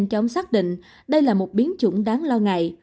nhưng không xác định đây là một biến chủng đáng lo ngại